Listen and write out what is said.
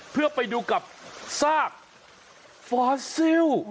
เพื่อไปดูกับซากฟอสซิล